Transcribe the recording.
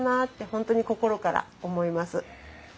本当に心から思います。